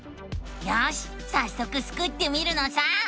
よしさっそくスクってみるのさ！